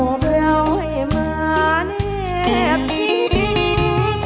โอบราวให้มาเน็บที่ดู